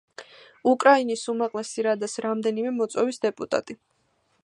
უკრაინის უმაღლესი რადას რამდენიმე მოწვევის დეპუტატი.